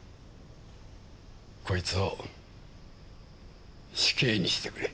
こいつを死刑にしてくれ。